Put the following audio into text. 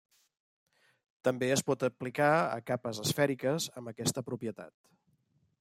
També es pot aplicar a capes esfèriques amb aquesta propietat.